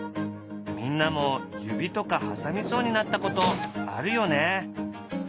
みんなも指とか挟みそうになったことあるよね？